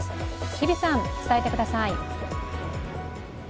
日比さん、伝えてください。